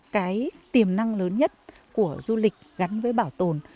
cái tiềm năng lớn nhất của du lịch gắn với bảo tồn